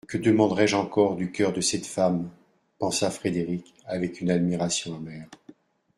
«Que demanderai-je encore du cœur de cette femme ?» pensa Frederick avec une admiration amère.